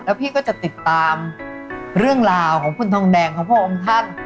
พี่ก็จะติดตามเรื่องราวของคุณทองแดงของพระองค์ท่าน